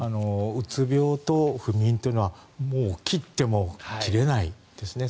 うつ病と不眠というのは切っても切れないですね。